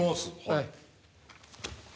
はい。